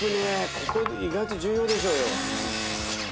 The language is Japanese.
ここ意外と重要でしょうよ。